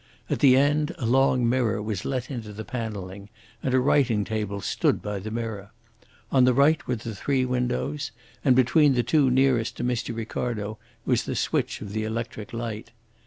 At the end a long mirror was let into the panelling, and a writing table stood by the mirror. On the right were the three windows, and between the two nearest to Mr. Ricardo was the switch of the electric light.